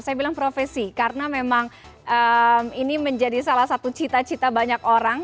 saya bilang profesi karena memang ini menjadi salah satu cita cita banyak orang